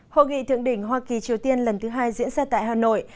hội nghị thượng đỉnh hoa kỳ triều tiên lần thứ hai diễn ra tại hà nội